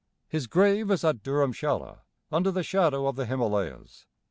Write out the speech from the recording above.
His grave is at Dhurmsala under the shadow of the Himalayas.